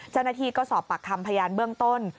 เจ้าหน้าที่ก็สอบปากคำพยานเบื้องต้น